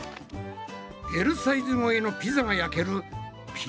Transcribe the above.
Ｌサイズ超えのピザが焼けるピザ窯の完成だ！